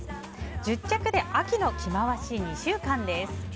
１０着で秋の着回し２週間です。